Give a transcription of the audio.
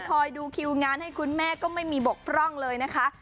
คอยดูคิวงานให้คุณแม่ก็ไม่มีบกพร่องเลยนะคะ